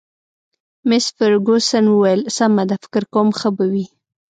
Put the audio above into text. مس فرګوسن وویل: سمه ده، فکر کوم ښه به وي.